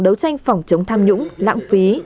đấu tranh phòng chống tham nhũng lãng phí